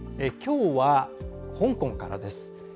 きょうは香港からです。